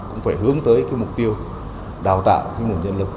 cũng phải hướng tới cái mục tiêu đào tạo cái nguồn nhân lực